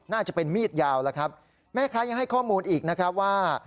น่าจะเป็นมีดยาวแล้วครับแม่ค้ายังให้ข้อมูลอีกนะครับว่า